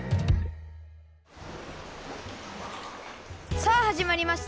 さあはじまりました！